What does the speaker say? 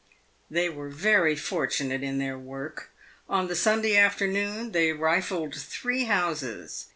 They were very fortunate in their work. On the Sunday afternoon, they rifled three houses.